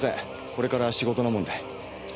これから仕事なもんで。